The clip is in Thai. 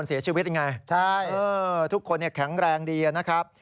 เสียชีวิตไงใช่ทุกคนแข็งแรงดีนะครับ